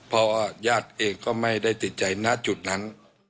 เพราะยาดเองก็ไม่ได้ติดใจหน้าจุดนั้น